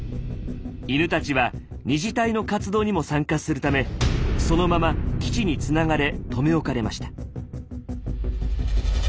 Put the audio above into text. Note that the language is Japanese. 犬たちは２次隊の活動にも参加するためそのまま基地につながれ留め置かれました。